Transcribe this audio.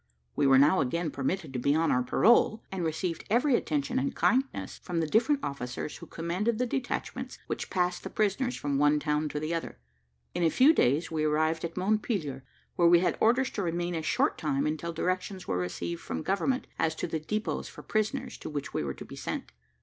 We were now again permitted to be on our parole, and received every attention and kindness from the different officers who commanded the detachments which passed the prisoners from one town to the other. In a few days we arrived at Montpelier, where we had orders to remain a short time until directions were received from government as to the depots for prisoners to which we were to be sent.